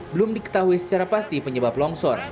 belum diketahui secara pasti penyebab longsor